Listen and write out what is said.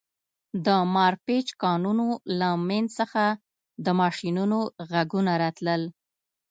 د مارپیچ کانونو له منځ څخه د ماشینونو غږونه راتلل